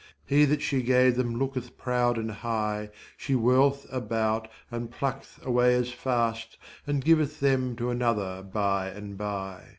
He that she gave them looketh proud and high, She whirl'th about and pluck'th away as fast And giv'th them to another by and by.